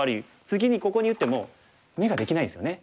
次にここに打っても眼ができないですよね。